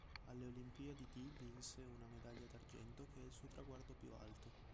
Alle Olimpiadi di vinse una medaglia d'argento, che è il suo traguardo più alto.